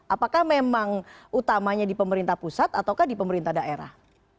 apakah memang utamanya di pemerintah pusat ataukah di pemerintah daerah